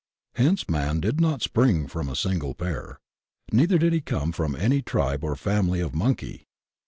Hence man did not spring from a single pair. Neither did he come from any tribe or family of monkey.